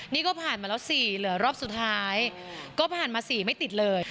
นี่ก็ผ่านมาแล้ว๔เหลือรอบสุดท้ายก็ผ่านมา๔ไม่ติดเลย